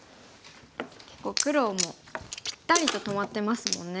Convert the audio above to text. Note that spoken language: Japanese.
結構黒もぴったりと止まってますもんね。